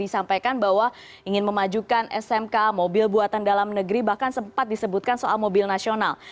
disampaikan bahwa ingin memajukan smk mobil buatan dalam negeri bahkan sempat disebutkan soal mobil nasional